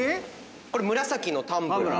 これ紫のタンブラーですね。